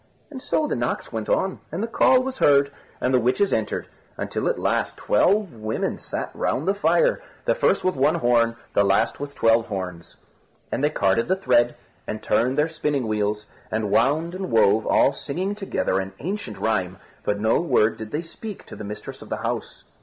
And so the knocks went on, and the call was heard, and the witches entered, until at last twelve women sat round the fire the first with one horn, the last with twelve horns. And they carded the thread, and turned their spinning wheels, and wound and wove, all singing together an ancient rhyme, but no word did they speak to the mistress of the house.